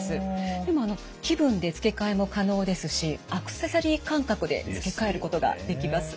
でも気分で付け替えも可能ですしアクセサリー感覚で付け替えることができます。